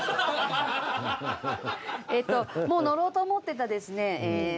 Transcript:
もう乗ろうと思ってたですね